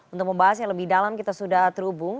untuk membahas yang lebih dalam kita sudah terhubung